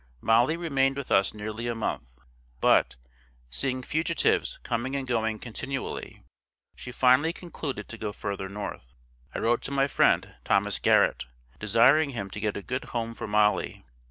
Molly remained with us nearly a month; but, seeing fugitives coming and going continually, she finally concluded to go further North. I wrote to my friend, Thomas Garrett, desiring him to get a good home for Molly.